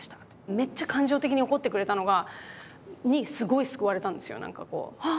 めっちゃ感情的に怒ってくれたのがにすごい救われたんですよなんかこう「ハッ！」